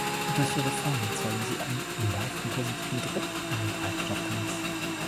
Durch ihre Form erzeugen sie einen leichten positiven Druck in den Treibstofftanks.